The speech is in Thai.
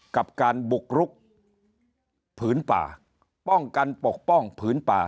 กับการบุกรุกผืนป่าป้องกันปกป้องผืนป่า